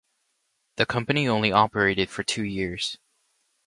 The company only operated for two years.